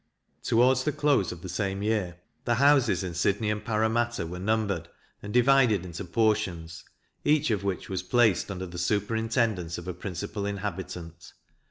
Towards the close of the same year, the houses in Sydney and Parramatta were numbered, and divided into portions, each of which was placed under the superintendance of a principal inhabitant.